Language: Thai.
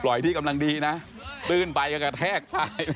ปล่อยที่กำลังดีนะตื่นไปก็แทรกซ้าย